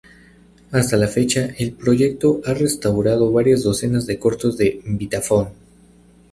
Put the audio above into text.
Hasta la fecha, el proyecto ha restaurado varias docenas de cortos de Vitaphone.